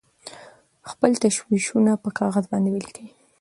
خپل تشویشونه په کاغذ باندې ولیکئ.